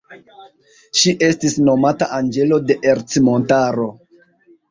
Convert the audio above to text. Ŝi estis nomata anĝelo de Ercmontaro.